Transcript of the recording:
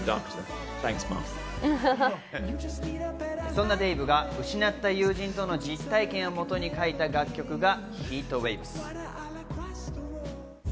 そんなデイヴが失った友人との実体験をもとに書いた楽曲が『ＨｅａｔＷａｖｅｓ』。